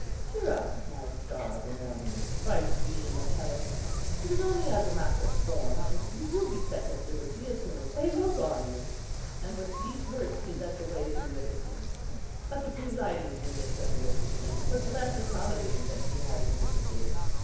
Cheer up, my star of the morning, bright beam of Hellas, it is only as a matter of form, and you will be set at liberty as soon as they look on you." And with these words he led the way to the Officium. But the presiding genius of the Officium was less accommodating than he had anticipated.